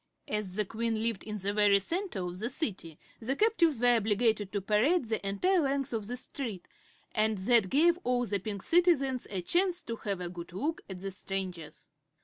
As the Queen lived in the very center of the city the captives were obliged to parade the entire length of this street, and that gave all the Pink Citizens a chance to have a good look at the strangers.